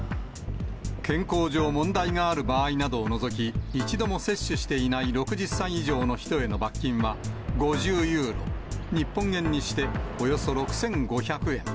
健康上問題がある場合などを除き、一度も接種していない６０歳以上の人への罰金は５０ユーロ、日本円にしておよそ６５００円。